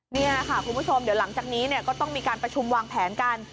นี่ค่ะคุณผู้ชมเดี๋ยวหลังจากนี้ก็ต้องมีการประชุมวางแผนกัน